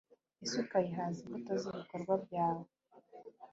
isi ukayihaza imbuto z’ibikorwa byawe